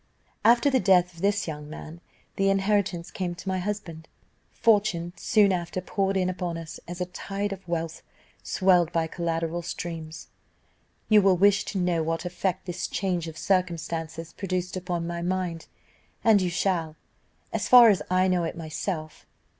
"After the death of this young man, the inheritance came to my husband. Fortune soon after poured in upon us a tide of wealth, swelled by collateral streams. "You will wish to know what effect this change of circumstances produced upon my mind, and you shall, as far as I know it myself.